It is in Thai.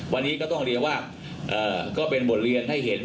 วันนี้ก็ต้องเรียนว่าก็เป็นบทเรียนให้เห็น